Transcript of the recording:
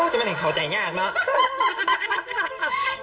โอ๊ยจะไม่เห็นเข้าใจง่ายมาก